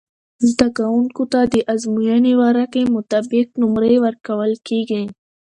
زده کوونکو ته د ازموينې ورقعی مطابق نمرې ورکول کیږی